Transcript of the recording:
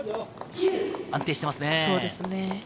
安定してますね。